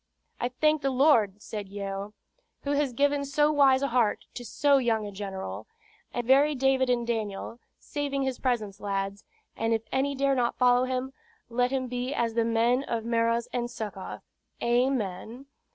"I thank the Lord," said Yeo, "who has given so wise a heart to so young a general; a very David and Daniel, saving his presence, lads; and if any dare not follow him, let him be as the men of Meroz and Succoth. Amen!